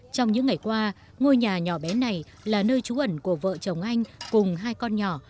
trong những ngày qua ngôi nhà nhỏ bé này là nơi trú ẩn của vợ chồng anh cùng hai con nhỏ